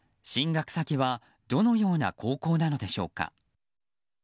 進学先はどのような高校なのでしょうか。